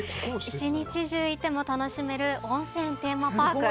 １日中いても楽しめる温泉テーマパーク。